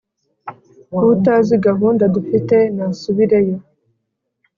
Utazi gahunda dufite nasubireyo